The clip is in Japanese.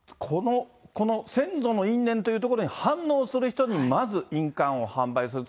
この先祖の因縁というところに反応する人にまず印鑑を販売する。